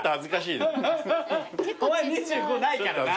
お前２５ないからな。